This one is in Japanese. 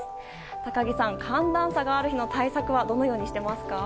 高木さん寒暖差がある日の対策はどのようにしていますか？